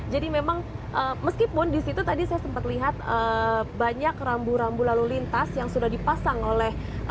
jadi memang meskipun disitu tadi saya sempat lihat banyak rambu rambu lalu lintas yang sudah dipasang oleh